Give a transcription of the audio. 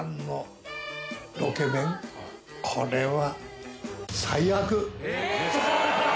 「これは」